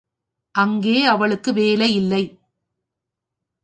அங்கே அவளுக்கு வேலை இல்லை.